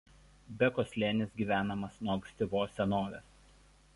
Bekos slėnis gyvenamas nuo ankstyvos senovės.